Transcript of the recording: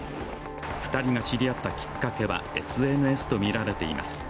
２人が知り合ったきっかけはＳＮＳとみられています。